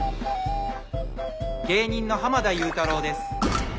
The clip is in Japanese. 芸人の濱田祐太郎です。